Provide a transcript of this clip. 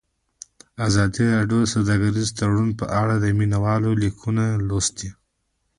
ازادي راډیو د سوداګریز تړونونه په اړه د مینه والو لیکونه لوستي.